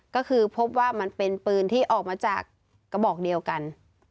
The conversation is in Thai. ก็คือพบว่ามันเป็นปืนที่ออกมาจากกระบอกเดียวกัน